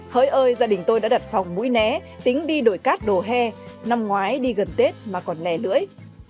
hới ơi gia đình tôi đã đặt phòng mũi né tính đi đổi cát đồ he năm ngoái đi gần tết mà còn nè lưỡi